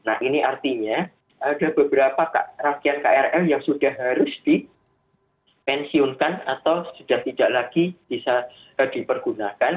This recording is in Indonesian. nah ini artinya ada beberapa rangkaian krl yang sudah harus dipensiunkan atau sudah tidak lagi bisa dipergunakan